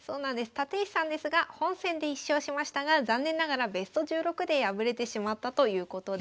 立石さんですが本戦で１勝しましたが残念ながらベスト１６で敗れてしまったということです。